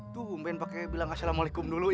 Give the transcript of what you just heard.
tuh bu ben pakai bilang assalamualaikum dulu ya